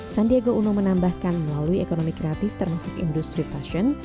sandiaga uno menambahkan melalui ekonomi kreatif termasuk industri fashion